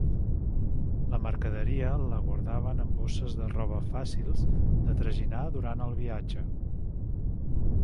La mercaderia la guardaven en bosses de roba fàcils de traginar durant el viatge.